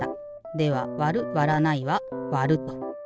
ではわるわらないは「わる」と。